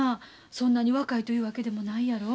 そんなに若いというわけでもないやろ。